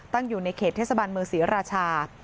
อยู่ในเขตเทศบาลเมืองศรีราชา